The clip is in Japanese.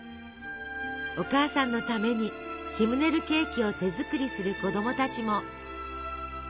お母さんのためにシムネルケーキを手作りする子どもたちも。